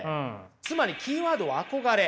つまりキーワードは「憧れ」。